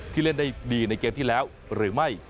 เล่นได้ดีในเกมที่แล้วหรือไม่